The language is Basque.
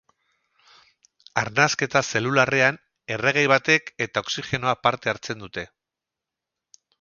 Arnasketa zelularrean erregai batek eta oxigenoak parte hartzen dute.